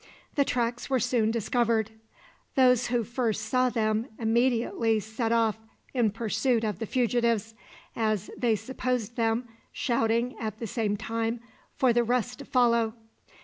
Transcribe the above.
The tracks were soon discovered. Those who first saw them immediately set off in pursuit of the fugitives, as they supposed them, shouting, at the same time, for the rest to follow.